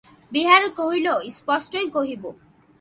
বিহারী কহিল, স্পষ্টই কহিব।